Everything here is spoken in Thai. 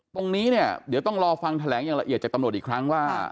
ตรงนี้เนี่ยเดี๋ยวต้องรอฟังแถลงอย่างละเอียดจากตำรวจอีกครั้งว่า